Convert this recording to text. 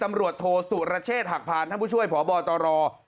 อาวาสมีการฝังมุกอาวาสมีการฝังมุกอาวาสมีการฝังมุก